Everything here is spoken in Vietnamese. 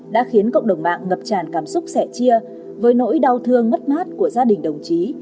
đã khiến cộng đồng mạng ngập tràn cảm xúc sẻ chia với nỗi đau thương mất mát của gia đình đồng chí